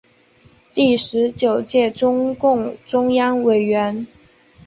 第十九届中共中央委员。